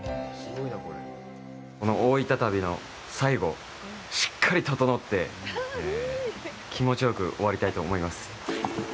この大分旅の最後しっかりととのって気持ちよく終わりたいと思います。